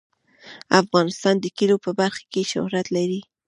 افغانستان د کلیو په برخه کې شهرت لري.